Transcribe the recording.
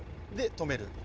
止める？